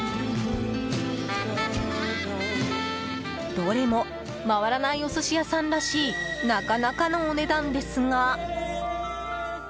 どれも回らないお寿司屋さんらしいなかなかのお値段ですが。